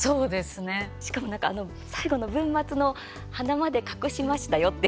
しかも、なんかあの最後の文末の鼻まで隠しましたよって。